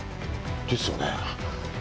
ですよね。